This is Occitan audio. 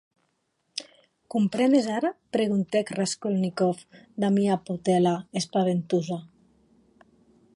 Comprenes ara?, preguntèc Raskolnikov damb ua potèla espaventosa.